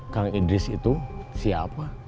kang idris itu siapa